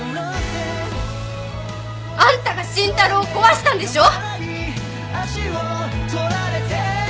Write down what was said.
あんたが慎太郎を壊したんでしょ？